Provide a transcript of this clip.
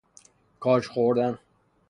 کاج خوردن